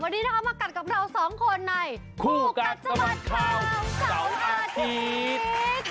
วันนี้นะคะมากัดกับเราสองคนในคู่กัดสะบัดข่าวเสาร์อาทิตย์